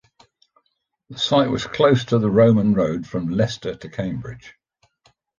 The site was close to the Roman Road from Leicester to Cambridge.